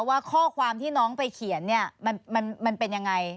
ว่าข้อความที่น้องไปเขียนมันเป็นอย่างไร